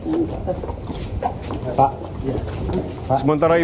melibatkan tampaknya proses rekonstruksi